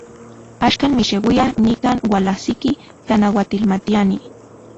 Axkan, mixeuia, nikan ualajsiki tlanauatilmatiani.